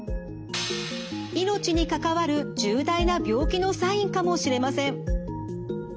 命に関わる重大な病気のサインかもしれません。